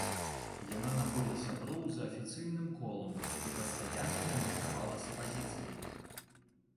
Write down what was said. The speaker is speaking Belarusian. Яна набыла сяброў за афіцыйным колам і пастаянна кантактавала з апазіцыяй.